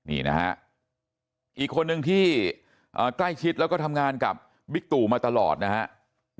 อีกคนหนึ่งที่ใกล้ชิดแล้วก็ทำงานกับบิกตู่มาตลอดนะฮะ